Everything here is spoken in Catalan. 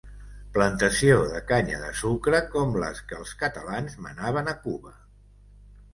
Plantació de canya de sucre com les que els catalans menaven a Cuba.